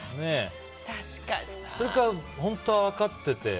それか本当は分かってて。